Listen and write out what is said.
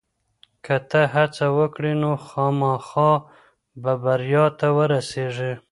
که ته هڅه وکړې نو خامخا به بریا ته ورسېږې.